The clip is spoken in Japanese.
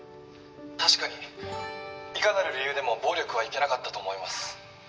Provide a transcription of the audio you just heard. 「確かにいかなる理由でも暴力はいけなかったと思います」